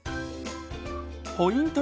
ポイント